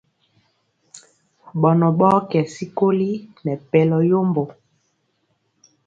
Ɓɔnɔ ɓɔɔ kɛ sikoli nɛ pɛlɔ yombo.